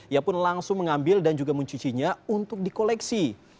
ia pun langsung mengambil dan juga mencucinya untuk di koleksi